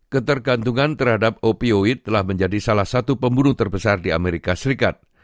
ketergantungan terhadap opioid telah menjadi salah satu pembunuh terbesar di amerika serikat